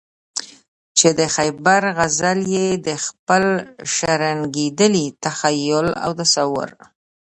چې د خیبر غزل یې په خپل شرنګېدلي تخیل او تصور.